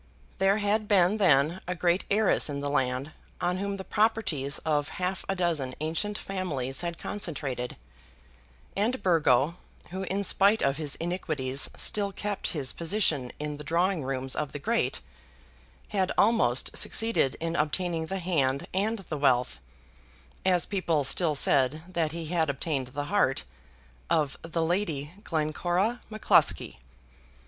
There had been then a great heiress in the land, on whom the properties of half a dozen ancient families had concentrated; and Burgo, who in spite of his iniquities still kept his position in the drawing rooms of the great, had almost succeeded in obtaining the hand and the wealth, as people still said that he had obtained the heart, of the Lady Glencora M'Cluskie.